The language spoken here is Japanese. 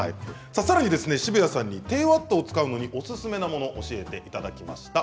さあさらにですね澁谷さんに低ワットを使うのにおすすめなもの教えていただきました。